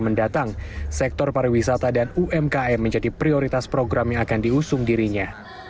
mendatang sektor pariwisata dan umkm menjadi prioritas program yang akan diusung dirinya